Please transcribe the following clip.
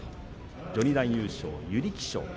序二段優勝、優力勝